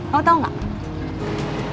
kamu tau gak